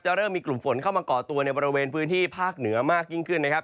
เริ่มมีกลุ่มฝนเข้ามาก่อตัวในบริเวณพื้นที่ภาคเหนือมากยิ่งขึ้นนะครับ